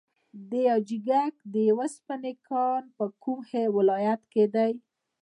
د حاجي ګک د وسپنې کان په کوم ولایت کې دی؟